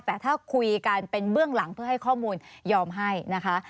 แต่ถ้าคุยกันเป็นเบื้องหลังเพื่อให้ข้อมูลยอมให้นะคะ